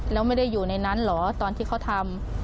แล้วไม่ได้อยู่ในนั้นเหรอตอนที่เขาทำ